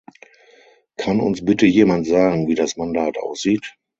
Kann uns bitte jemand sagen, wie das Mandat aussieht?